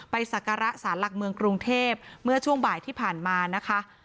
ศักระสารหลักเมืองกรุงเทพเมื่อช่วงบ่ายที่ผ่านมานะคะ